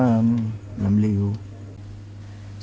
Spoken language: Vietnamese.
em làm ly vô